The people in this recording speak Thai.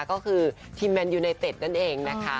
ก็คือทีมแมนยูไนเตตนั้นเอง